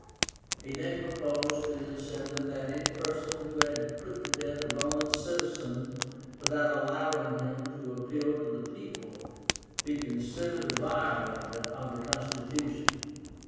He then proposed to the Assembly that any person who had put to death a Roman citizen without allowing him to appeal to the people be considered a violator of the constitution.